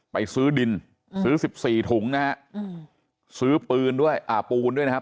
ไปซื้อดินซื้อ๑๔ถุงนะฮะซื้อปืนด้วยอ่าปูนด้วยนะครับ